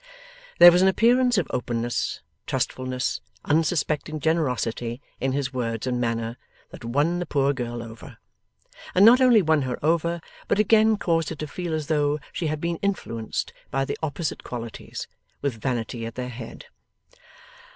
There was an appearance of openness, trustfulness, unsuspecting generosity, in his words and manner, that won the poor girl over; and not only won her over, but again caused her to feel as though she had been influenced by the opposite qualities, with vanity at their head.